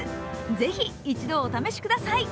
ぜひ一度、お試しください。